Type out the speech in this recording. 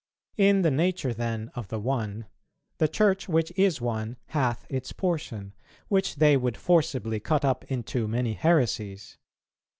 In the nature then of the One, the Church, which is one, hath its portion, which they would forcibly cut up into many heresies.